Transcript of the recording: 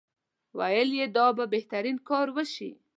ویل یې دا به بهترین کار وشي.